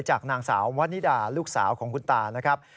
จากนางสาววันนิดาลูกสาวของคุณตานะครับ